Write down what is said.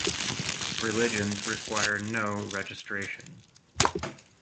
Religions require no registration.